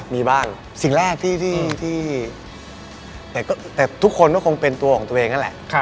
มีบ้างสิ่งแรกที่แต่ทุกคนก็คงเป็นตัวของตัวเองนั่นแหละ